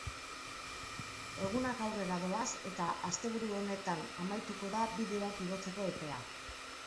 Egunak aurrera doaz eta asteburu honetan amaituko da bideoak igotzeko epea.